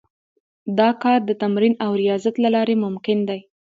دا کار د تمرين او رياضت له لارې ممکن دی.